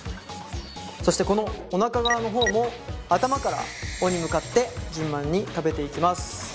そしてこのおなか側の方も頭から尾に向かって順番に食べていきます。